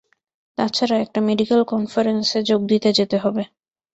তাছাড়া, একটা মেডিকেল কনফারেন্সে যোগ দিতে যেতে হবে।